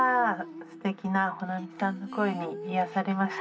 すてきな保奈美さんの声に癒やされました」。